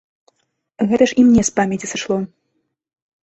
Гэта ж і мне з памяці сышло.